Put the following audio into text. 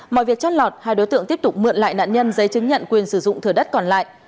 mọi việc chót lọt hai đối tượng tiếp tục mượn lại nạn nhân giấy chứng nhận quyền sử dụng thừa đất còn lại